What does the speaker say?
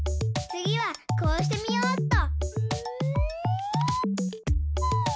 つぎはこうしてみようっと。